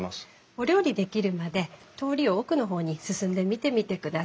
お料理出来るまで通りを奥の方に進んで見てみてください。